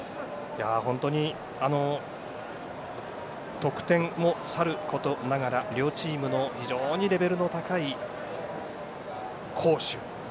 本当に得点もさることながら両チームの非常にレベルの高い好守。